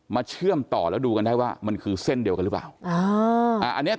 มาเชื่อมต่อแล้วดูกันได้ว่ามันคือเส้นเดียวกันหรือไม่